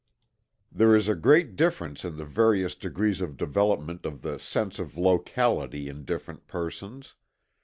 There is a great difference in the various degrees of development of "the sense of locality" in different persons.